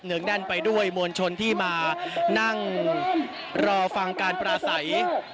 เหนืองแน่นไปด้วยมวลชนที่มานั่งรอฟังการปลาใส